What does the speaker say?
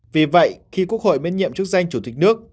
vì vậy khi quốc hội biến nhiệm chức danh chủ tịch đức